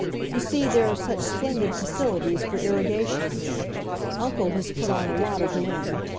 You see there are such splendid facilities for irrigation here. Uncle has put on a lot of men.